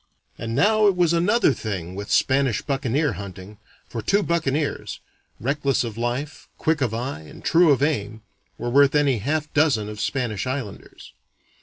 And now it was another thing with Spanish buccaneer hunting, for two buccaneers, reckless of life, quick of eye, and true of aim, were worth any half dozen of Spanish islanders.